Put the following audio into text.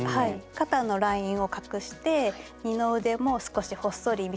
肩のラインを隠して二の腕も少しほっそり見せるようにしてみました。